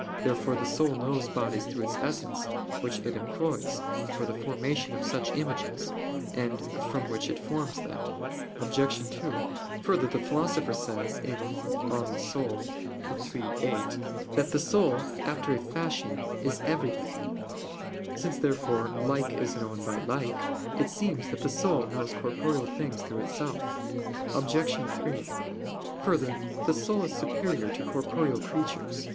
Therefore the soul knows bodies through its essence, which it employs for the formation of such images, and from which it forms them. Obj. 2: Further, the Philosopher says (De Anima iii, 8) that "the soul, after a fashion, is everything." Since, therefore, like is known by like, it seems that the soul knows corporeal things through itself. Obj. 3: Further, the soul is superior to corporeal creatures.